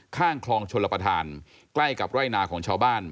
ข้างคลองชลประธานใกล้กับไร่นาของชาวบ้าน